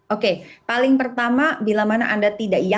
oke paling pertama bila mana anda tidak yakin anda membayar